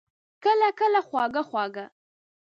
کله، کله خواږه، خواږه